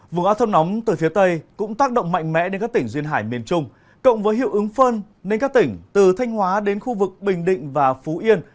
vùng áp thấp nóng từ phía tây cũng tác động mạnh mẽ đến các tỉnh duyên hải miền trung cộng với hiệu ứng phơn nên các tỉnh từ thanh hóa đến khu vực bình định và phú yên